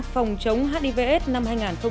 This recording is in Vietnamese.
phòng chống hivs năm hai nghìn một mươi sáu